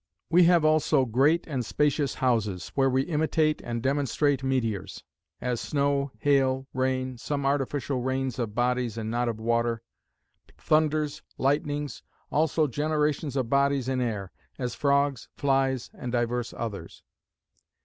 "We have also great and spacious houses where we imitate and demonstrate meteors; as snow, hail, rain, some artificial rains of bodies and not of water, thunders, lightnings; also generations of bodies in air; as frogs, flies, and divers others.